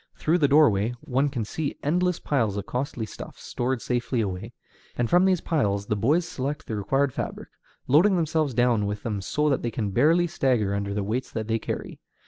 Through the doorway one can see endless piles of costly stuffs stored safely away, and from these piles the boys select the required fabric, loading themselves down with them so that they can barely stagger under the weights that they carry.